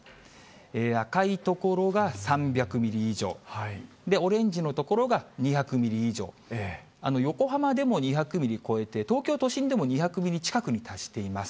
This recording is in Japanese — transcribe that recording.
赤い所が３００ミリ以上、オレンジの所が２００ミリ以上、横浜でも２００ミリ超えて、東京都心でも２００ミリ近くに達しています。